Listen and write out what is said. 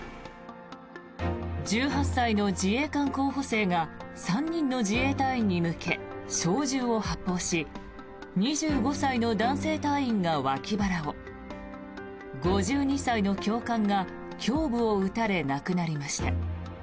１８歳の自衛官候補生が３人の自衛隊員に向け小銃を発砲し２５歳の男性隊員が脇腹を５２歳の教官が胸部を撃たれ亡くなりました。